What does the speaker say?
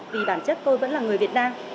vì bản chất tôi vẫn là người việt nam